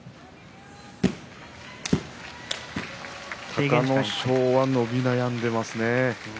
隆の勝は伸び悩んでいますね。